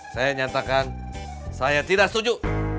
saya nyatakan saya tidak setuju